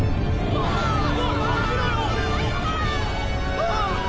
ああ！